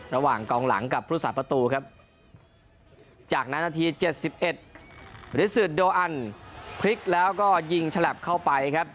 ระหว่างกองหลังกับพุทธศาสตประตูครับจากนั้นนาที๗๑ริสิตโดอันพลิกแล้วก็ยิงฉลับเข้าไปครับ